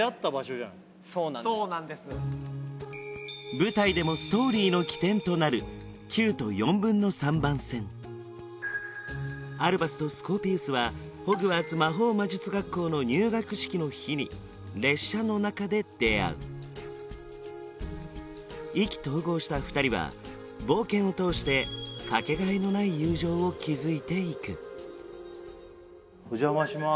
舞台でもストーリーの起点となる９と３／４番線アルバスとスコーピウスはホグワーツ魔法魔術学校の入学式の日に列車の中で出会う意気投合した２人は冒険を通してかけがえのない友情を築いていくお邪魔します